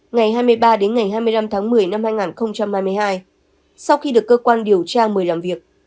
ngày hai mươi ba đến ngày hai mươi năm tháng một mươi năm hai nghìn hai mươi hai sau khi được cơ quan điều tra mời làm việc